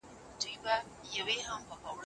زه تر مور او پلار پر ټولو مهربان یم